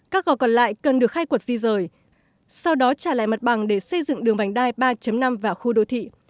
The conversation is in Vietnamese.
các gò còn lại cần được khai quật di rời sau đó trả lại mặt bằng để xây dựng đường vành đai ba năm vào khu đô thị